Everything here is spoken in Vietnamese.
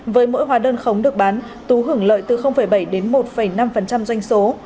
với mỗi hóa đơn khống được bán tú hưởng lợi từ bảy đến một năm doanh số